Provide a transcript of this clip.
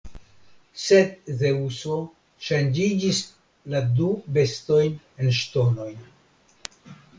Sed Zeŭso ŝanĝiĝis la du bestojn en ŝtonojn.